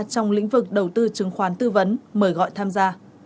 trong lĩnh vực đầu tư chứng khoán tư vấn mời gọi tham gia